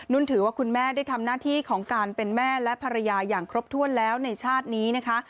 ถือว่าคุณแม่ได้ทำหน้าที่ของการเป็นแม่และภรรยาอย่างครบถ้วนแล้วในชาตินี้นะคะ